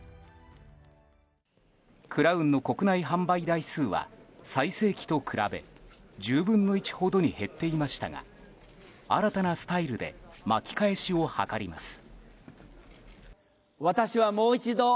クラウンの国内販売台数は最盛期と比べ１０分の１ほどに減っていましたが新たなスタイルで巻き返しを図ります。